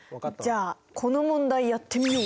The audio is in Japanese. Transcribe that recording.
じゃあこの問題やってみよう。